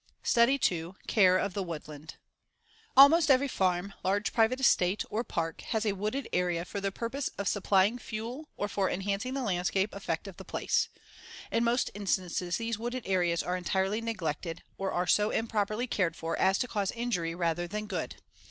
STUDY II. CARE OF THE WOODLAND Almost every farm, large private estate or park has a wooded area for the purpose of supplying fuel or for enhancing the landscape effect of the place. In most instances these wooded areas are entirely neglected or are so improperly cared for as to cause injury rather than good.